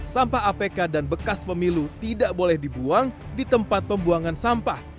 sampah apk dan bekas pemilu tidak boleh dibuang di tempat pembuangan sampah